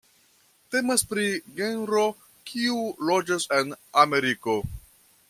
Temas pri genro kiu loĝas en Ameriko.